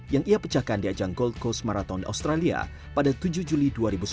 yang ia pecahkan di ajang gold coast marathon australia pada tujuh juli dua ribu sembilan belas